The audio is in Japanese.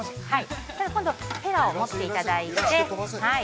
◆今度、へらを持っていただいて。